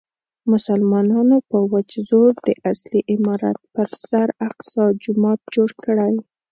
مسلمانانو په وچ زور د اصلي عمارت پر سر اقصی جومات جوړ کړی.